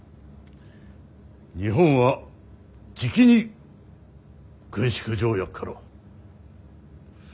日本はじきに軍縮条約からは。